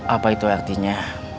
apa itu artinya